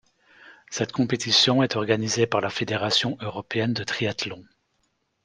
Cette compétition est organisée par la Fédération européenne de triathlon.